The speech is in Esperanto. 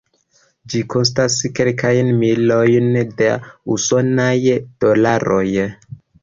Ĝi kostas kelkajn milojn da usonaj dolaroj.